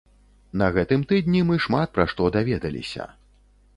На гэтым тыдні мы шмат пра што даведаліся.